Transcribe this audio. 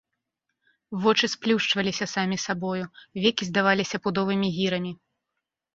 Вочы сплюшчваліся самі сабою, векі здаваліся пудовымі гірамі.